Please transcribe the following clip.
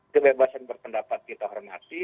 kebebasan berpendapat kita hormati